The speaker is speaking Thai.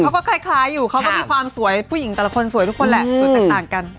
เขาก็คล้ายอยู่เขาก็มีความสวยผู้หญิงแต่ละคนสวยทุกคนแหละสวยแตกต่างกัน